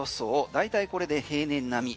大体これで平年並み。